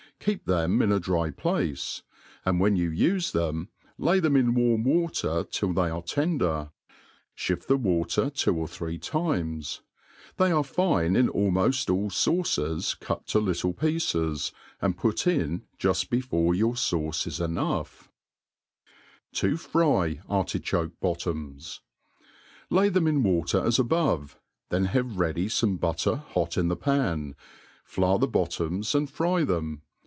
Keep them in a dry place; and When you ufe them, lay them in warm water till they are ten« der. Shift the water two or three times. They are fine in almoft all fauces cut to little pieces, axid put in juft before your (iiuce is enough* 7i fry JlrtichoicBotfoms: LAY them in w^ter as above ; then have ready fome butter hot inJthe pan^ flour the bottoms, and fry them.